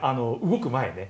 動く前ね。